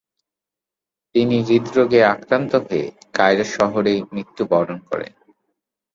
তিনি হৃদরোগে আক্রান্ত হয়ে কায়রো শহরে মৃত্যুবরণ করেন।